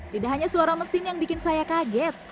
tidak hanya suara mesin yang bikin saya kaget